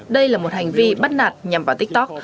đây là một hành vi bắt nạt nhằm vào tiktok